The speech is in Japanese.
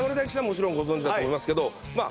もちろんご存じだと思いますけどま